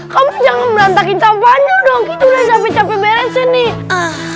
kamu jangan merantakin sampai aja dong itu udah capek capek beres ini ah